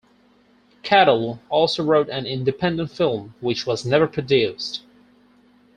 Cadell also wrote an independent film, which was never produced.